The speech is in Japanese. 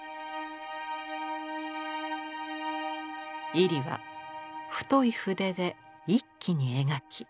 位里は太い筆で一気に描き。